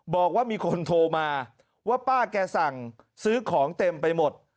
บอกว่ามีคนโทรมาว่าป้าแกสั่งซื้อของเต็มไปหมด